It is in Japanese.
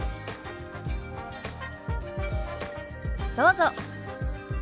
どうぞ。